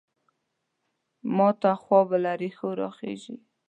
ماته خوا به له رېښو راخېژي.